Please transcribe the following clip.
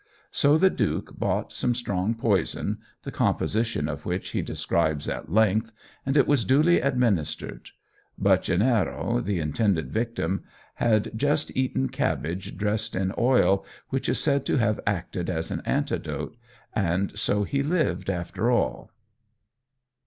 So the duke bought some strong poison, the composition of which he describes at length, and it was duly administered. But Gennaro, the intended victim, had just eaten cabbage dressed in oil, which is said to have acted as an antidote, and so he lived after all.